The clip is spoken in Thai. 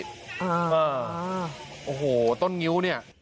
อ่าโอ้โหต้นงิ้วนี่